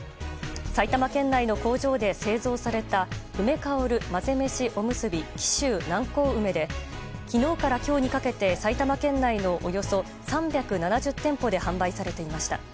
埼玉県内の工場で製造された梅香る混ぜ飯おむすび紀州南高梅で昨日から今日にかけて埼玉県内のおよそ３７０店舗で販売されていました。